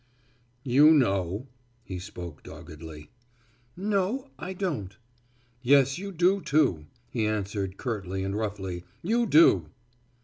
"You know," he spoke doggedly. "No, I don't." "Yes you do, too," he answered curtly and roughly. "You do."